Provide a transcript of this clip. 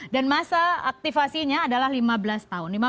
dan masa aktifasinya adalah lima belas tahun